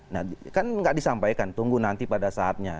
nah kan nggak disampaikan tunggu nanti pada saatnya